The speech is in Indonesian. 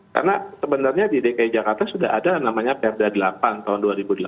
karena sebenarnya di dki jakarta sudah ada namanya pembedaan delapan tahun dua ribu delapan